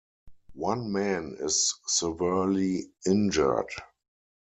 One man is severely injured.